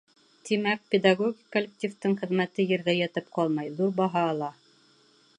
Тимәк, педагогик коллективтың хеҙмәте ерҙә ятып ҡалмай, ҙур баһа ала.